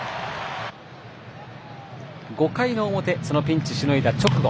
５回の表そのピンチをしのいだ直後。